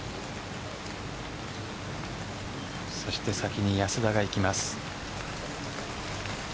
そして先に安田がいきます。